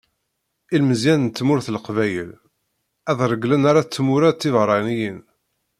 Ilmeẓyen n tmurt n leqbayel ad regglen ara tmura tibeṛṛaniyin.